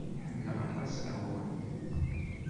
Ḥemmleɣ aṭas taɣuri.